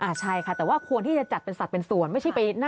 ใช่แต่ว่าควรที่จะจัดเป็นสัตว์เป็นส่วน